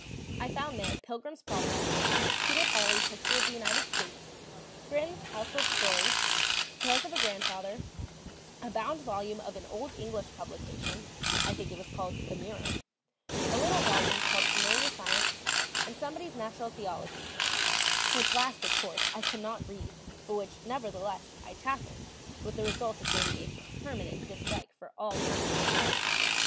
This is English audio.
I found there Pilgrim's Progress, Peter Parley's History of the United States, Grimm's Household Stories, Tales of a Grandfather, a bound volume of an old English publication (I think it was called The Mirror), a little volume called Familiar Science, and somebody's Natural Theology, which last, of course, I could not read, but which, nevertheless, I tackled, with the result of gaining a permanent dislike for all kinds of theology.